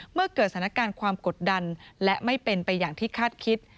เมื่อเกิดสถานการณ์ความกดดันและไม่เป็นไปอย่างที่คาดคิด